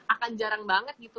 akan jarang banget gitu